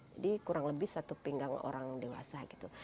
jadi kurang lebih satu pinggang orang dewasa